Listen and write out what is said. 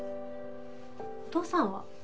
お父さんは？